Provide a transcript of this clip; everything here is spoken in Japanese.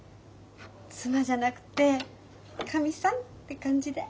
妻じゃなくてかみさんって感じで。